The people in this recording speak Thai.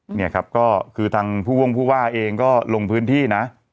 เนี่ยครับก็คือทางผู้วงผู้ว่าเองก็ลงพื้นที่นะ